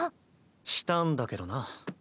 したんだけどな。